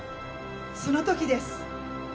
その時です。